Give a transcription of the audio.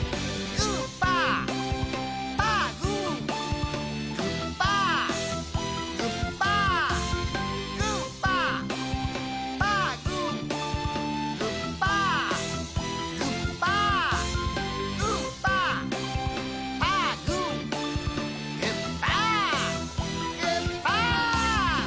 グッパーグッパー。